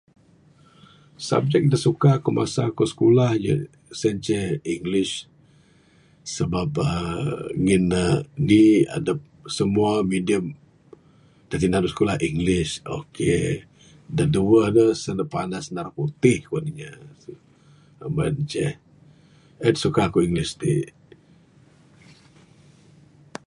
Subject aku da suka ku masa ku sikulah sien ce english sabab uhh ngin indi sabab simua minjam sanda English, okay, da duweh ne, da panai sanda riputih kuan inya. Meng ceh en suka ku english ti.